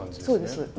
そうです。